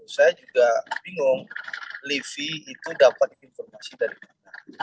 saya juga bingung livi itu dapat informasi dari mana